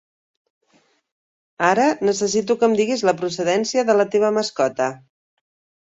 Ara necessito que em diguis la procedència de la teva mascota.